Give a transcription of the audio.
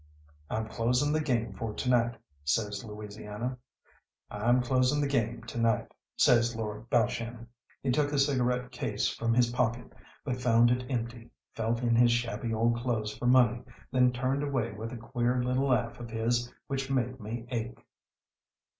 "I'm closing the game for to night," says Louisiana. "I'm closing the game to night," says Lord Balshannon. He took a cigarette case from his pocket, but found it empty, felt in his shabby old clothes for money, then turned away with a queer little laugh of his which made me ache.